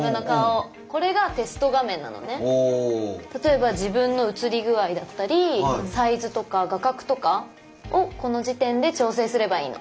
例えば自分の映り具合だったりサイズとか画角とかをこの時点で調整すればいいの。